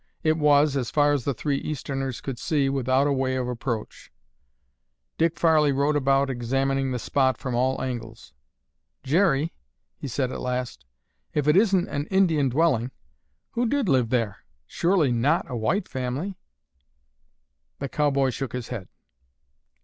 It was, as far as the three Easterners could see, without a way of approach. Dick Farley rode about examining the spot from all angles. "Jerry," he said at last, "if it isn't an Indian dwelling, who did live there? Surely not a white family!" The cowboy shook his head.